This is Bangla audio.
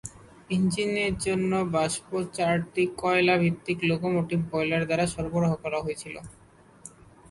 ইঞ্জিনের জন্য বাষ্প চারটি কয়লা ভিত্তিক লোকোমোটিভ বয়লার দ্বারা সরবরাহ করা হয়েছিল।